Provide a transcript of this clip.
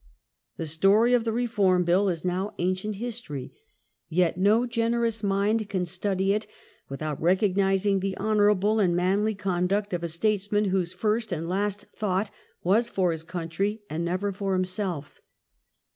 The story of the Eeform Bill is now ancient history, yet no generous mind can study it without recognising the honourable and manly conduct of a statesman whose first and last thought was for his country, and never for himself.